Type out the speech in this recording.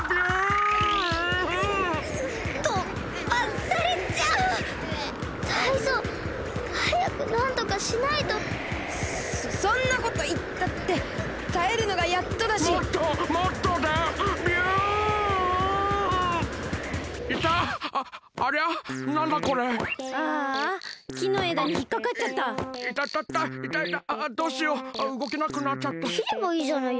きればいいじゃないですか。